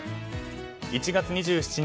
１月２７日